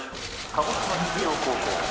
鹿児島実業高校」